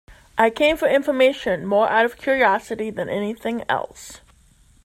I came for information more out of curiosity than anything else.